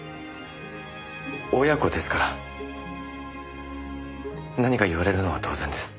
親子ですから何か言われるのは当然です。